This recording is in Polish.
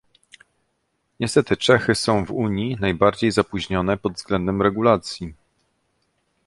Niestety Czechy są w Unii najbardziej zapóźnione pod względem regulacji